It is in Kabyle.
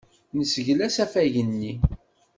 Nezgel asafag-nni.